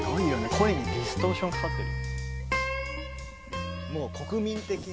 声にディストーションかかってる。